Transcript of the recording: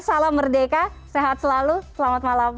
salam merdeka sehat selalu selamat malam